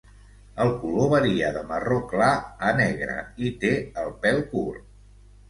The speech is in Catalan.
El color varia de marró clar a negre i té el pèl curt.